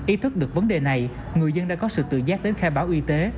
ý thức được vấn đề này người dân đã có sự tự giác đến khai báo y tế